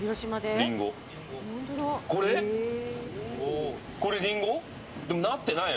これ、リンゴ？でもなってないよ。